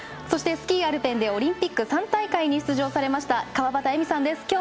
そして、スキー・アルペンでオリンピック３大会に出場されました川端絵美さんです。